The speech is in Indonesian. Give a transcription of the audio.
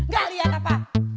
gak liat apa